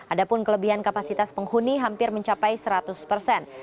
ada pun kelebihan kapasitas penghuni hampir mencapai seratus persen